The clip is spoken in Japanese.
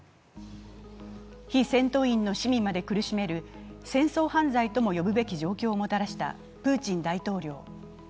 非戦闘員の市民まで苦しめる戦争犯罪とも呼ぶべき状況をもたらしたプーチン大統領。